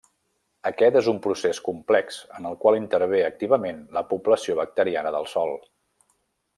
Aquest és un procés complex en el qual intervé activament la població bacteriana del sòl.